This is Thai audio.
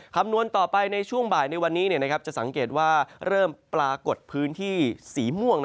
คำนวณต่อไปในช่วงบ่ายในวันนี้จะสังเกตว่าเริ่มปรากฏพื้นที่สีม่วง